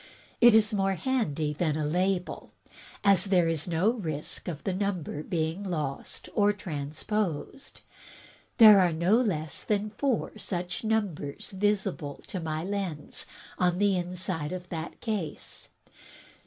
It is more handy than a label, as there is no risk of the number being lost or transposed. There are no less than four such numbers visible to my lens on the inside of this case.